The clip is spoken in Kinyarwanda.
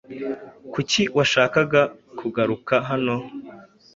Kuki washakaga kugaruka hano?